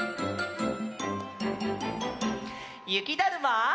ゆきだるま？